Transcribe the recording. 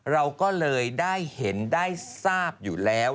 เราก็เลยได้เห็นได้ทราบอยู่แล้ว